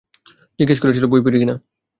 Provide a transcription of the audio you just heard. জিজ্ঞেস করেছিলে, বই পড়ি কিনা?